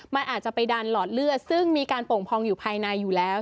มันอาจจะไปดันหลอดเลือดซึ่งมีการโป่งพองอยู่ภายในอยู่แล้ว